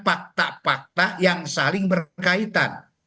fakta fakta yang saling berkaitan